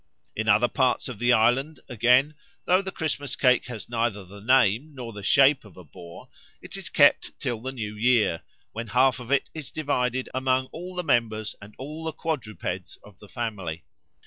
In other parts of the island, again, though the Christmas cake has neither the name nor the shape of a boar, it is kept till the New Year, when half of it is divided among all the members and all the quadrupeds of the family.